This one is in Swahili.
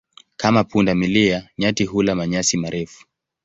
Kama punda milia, nyati hula manyasi marefu.